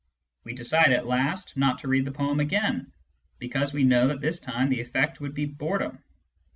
We decide at last not to read the poem again, because we know that this time the effect would be boredom.